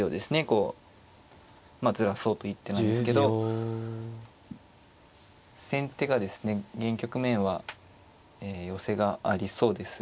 こうまあずらそうと一手なんですけど先手がですね現局面は寄せがありそうです。